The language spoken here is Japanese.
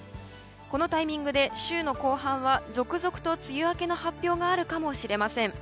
このタイミングで週の後半は続々と梅雨明けの発表があるかもしれません。